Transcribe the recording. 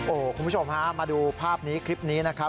โอ้โหคุณผู้ชมฮะมาดูภาพนี้คลิปนี้นะครับ